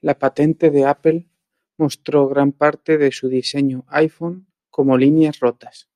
La patente de Apple mostró gran parte de su diseño iPhone como líneas rotas.